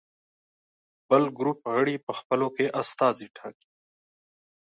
بل ګروپ غړي په خپلو کې استازي ټاکي.